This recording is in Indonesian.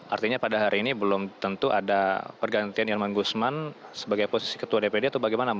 artinya pada hari ini belum tentu ada pergantian irman gusman sebagai posisi ketua dpd atau bagaimana